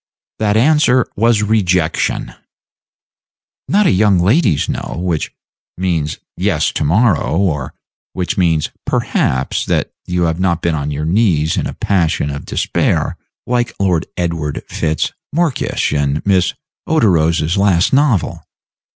That answer was a rejection! Not a young lady's No, which means yes to morrow, or which means perhaps that you have not been on your knees in a passion of despair, like Lord Edward Fitz Morkysh in Miss Oderose's last novel.